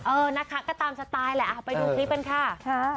เออนะคะก็ตามสไตล์แหละไปดูคลิปกันค่ะ